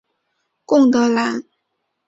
贡德兰。